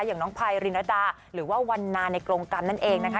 อย่างน้องไพรินรดาหรือว่าวันนาในกรงกรรมนั่นเองนะคะ